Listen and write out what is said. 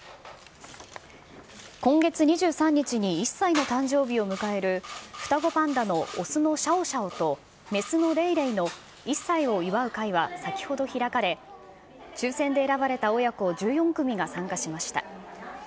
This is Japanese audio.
今月２３日に１歳の誕生日を迎える双子パンダの雄のシャオシャオと雌のレイレイの１歳を祝う会は先ほど開かれ、抽せんで選ばれた親子１４組が参加しました。